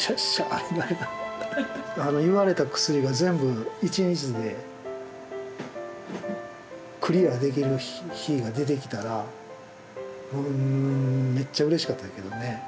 言われた薬が全部一日でクリアできる日が出てきたらめっちゃうれしかったけどね。